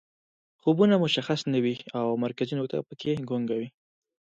خوبونه مشخص نه وي او مرکزي نقطه پکې ګونګه وي